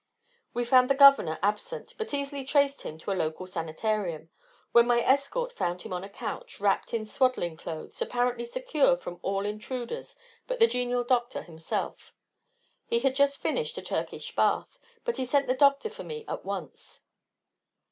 We found the Governor absent, but easily traced him to a local sanitarium, where my escort found him on a couch, wrapped in swaddling clothes, apparently secure from all intruders but the genial Doctor himself. He had just finished a Turkish bath, but he sent the Doctor for me at once.